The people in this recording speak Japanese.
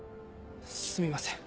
すみません